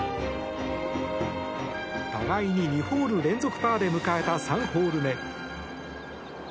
互いに２ホール連続パーで迎えた３ホール目。